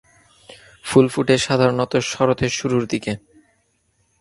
ফুল ফোটে সাধারণত শরতের শুরুর দিকে।